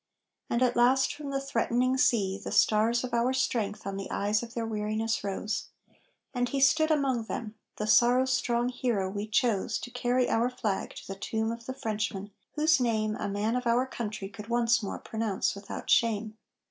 And at last from the threatening sea The stars of our strength on the eyes of their weariness rose, And he stood among them, the sorrow strong hero we chose To carry our flag to the tomb of that Frenchman whose name A man of our country could once more pronounce without shame.